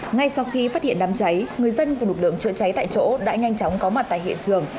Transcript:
ngay sau khi phát hiện đám cháy người dân và lực lượng chữa cháy tại chỗ đã nhanh chóng có mặt tại hiện trường